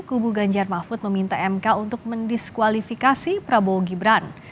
kubu ganjar mahfud meminta mk untuk mendiskualifikasi prabowo gibran